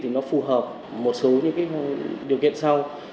thì nó phù hợp một số điều kiện sau